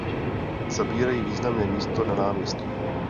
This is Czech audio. Zabírají významné místo na náměstí.